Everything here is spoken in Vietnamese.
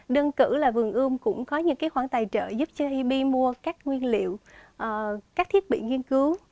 đơn cử là vườn ươm cũng có những khoản tài trợ giúp cho hip mua các nguyên liệu các thiết bị nghiên cứu